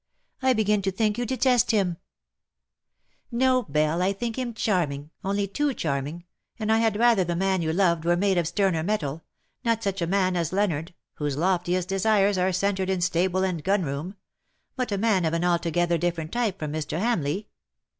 ^^ I begin to think you detest him !"" No, Belle, I think him charming, only too charming, and I had rather the man you loved were made of sterner metal — not such a man as Leonard, whose loftiest desires are centred in stable and gun room ; but a man of an altogether different type from Mr. Hamleigh.